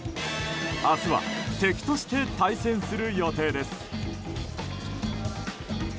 明日は敵として対戦する予定です。